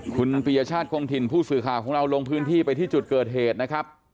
คุณปียชาติคงถิ่นผู้สื่อข่าวของเราลงพื้นที่ไปที่จุดเกิดเหตุนะครับ